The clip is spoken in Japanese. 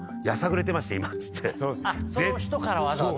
その人からわざわざ。